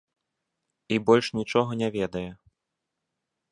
І больш нічога не ведае.